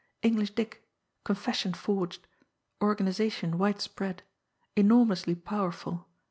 "English Dick ... confession forged ... organisation widespread ... enormously powerful